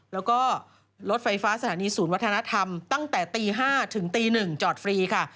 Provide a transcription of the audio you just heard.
แล้วก็รถไฟฟ้าสถานีศูนย์วัฒนธรรมตั้งแต่ตี๕ถึงตี๑จอดฟรีค่ะ